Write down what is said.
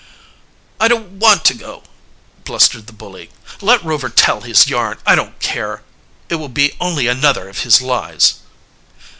"I don't want to go," blustered the bully. "Let Rover tell his yarn I don't care. It will be only another of his lies."